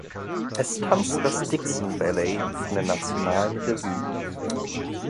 Es tanzt das Dikson’s Ballett von der Nationalen Revue.